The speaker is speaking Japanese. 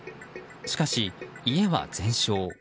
しかし、家は全焼。